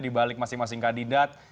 di balik masing masing kandidat